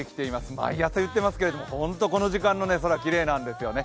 毎朝言っていますけれども本当にこの時間の空きれいなんですよね。